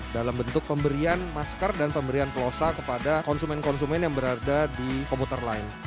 dalam bentuk pemberian masker dan pemberian plosa kepada konsumen konsumen yang berada di komputer lain